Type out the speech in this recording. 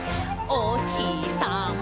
「おひさま